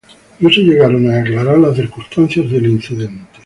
No se llegaron a aclarar las circunstancias del incidente.